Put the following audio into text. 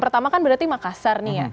pertama kan berarti makassar nih ya